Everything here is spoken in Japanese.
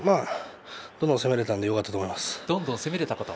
どんどん攻められたのでよかったと思います。